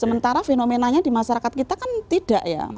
sementara fenomenanya di masyarakat kita kan tidak ya